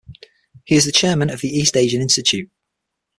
He is the Chairman of the East Asian Institute.